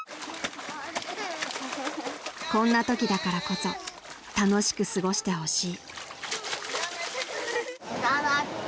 ［こんなときだからこそ楽しく過ごしてほしい］